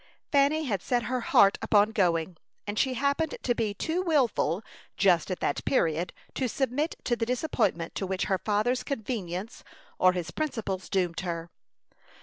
Fanny had set her heart upon going; and she happened to be too wilful, just at that period, to submit to the disappointment to which her father's convenience or his principles doomed her.